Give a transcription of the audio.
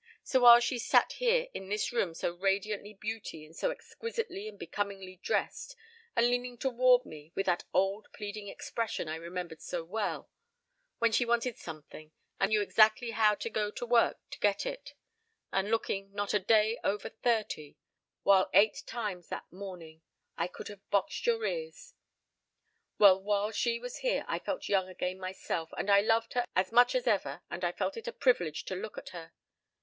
... So, while she sat here in this room so radiantly beautiful and so exquisitely and becomingly dressed, and leaning toward me with that old pleading expression I remembered so well; when she wanted something and knew exactly how to go to work to get it; and looking not a day over thirty well, while she was here I felt young again myself and I loved her as much as ever and felt it a privilege to look at her.